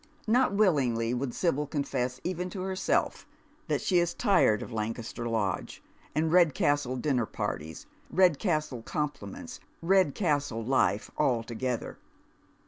Not willingly would Sibyl confess even to herself that she is tired of Lancaster Lodge and Redcastle dinner parties, Kedcastle compliments, Eedcastle life altogether.